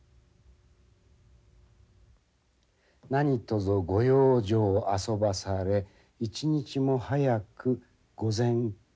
「何とぞご養生あそばされ一日も早くご全快